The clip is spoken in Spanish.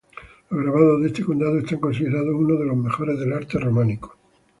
Los grabados de este condado están considerados unos de los mejores del arte románico.